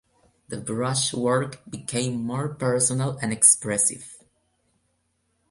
The brushwork became more personal and expressive.